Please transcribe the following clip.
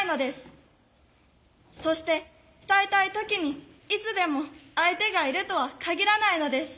そして伝えたい時にいつでも相手がいるとはかぎらないのです。